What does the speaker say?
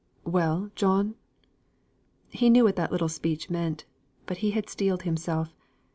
"Well, John?" He knew what that little speech meant. But he had steeled himself.